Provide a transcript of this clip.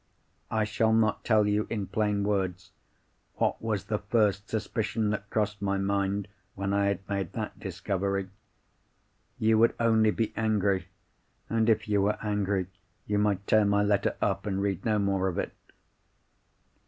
"I shall not tell you in plain words what was the first suspicion that crossed my mind, when I had made that discovery. You would only be angry—and, if you were angry, you might tear my letter up and read no more of it.